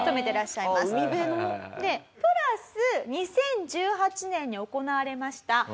プラス２０１８年に行われました